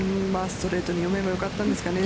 ストレートに読めばよかったんですかね。